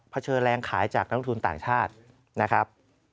เชิญแรงขายจากนักลงทุนต่างชาตินะครับ